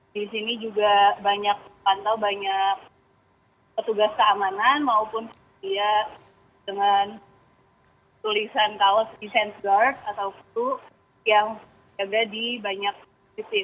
di sini juga banyak pantau banyak petugas keamanan maupun dia dengan tulisan kaos desence guard atau kru yang jaga di banyak sisi